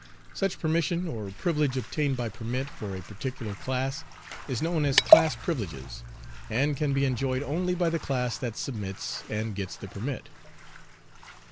Such permission or privilege obtained by "permit" for a particular class is known as "class privileges," and can be enjoyed only by the class that submits and gets the permit.